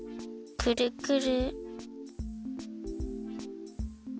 くるくる！